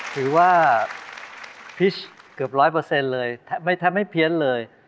คือว่าพิชเกือบร้อยเปอร์เซ็นต์เลยทำให้เพี้ยนเลย